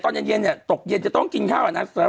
ตอนเย็นเนี่ยตกเย็นจะต้องกินข้าวอ่ะนะ